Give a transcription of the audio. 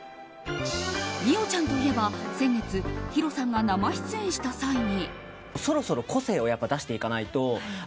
美桜ちゃんといえば先月ヒロさんが生出演した際に。